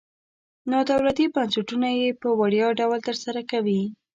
نادولتي بنسټونه یې په وړیا ډول تر سره کوي.